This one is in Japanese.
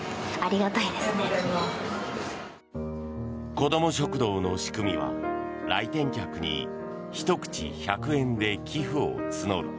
子ども食堂の仕組みは来店客に１口１００円で寄付を募る。